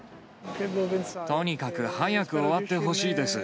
とにかく早く終わってほしいです。